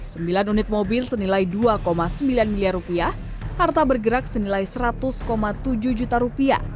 sembilan unit mobil senilai rp dua sembilan miliar harta bergerak senilai rp seratus tujuh juta